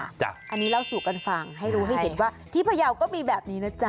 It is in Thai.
อันนี้เล่าสู่กันฟังให้รู้ให้เห็นว่าที่พยาวก็มีแบบนี้นะจ๊ะ